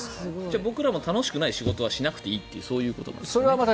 僕らも楽しくない仕事はしなくていいというそういうことなんですね。